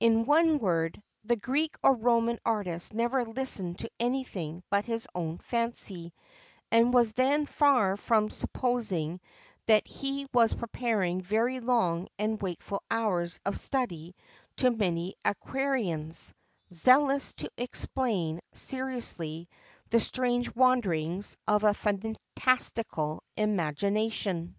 [XXVII 47] In one word, the Greek or Roman artist never listened to anything but his own fancy, and was then far from supposing that he was preparing very long and wakeful hours of study to many antiquarians, zealous to explain seriously the strange wanderings of a fantastical imagination.